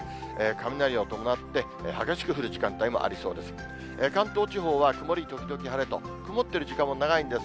雷を伴って、激しく降る時間帯もありそうです。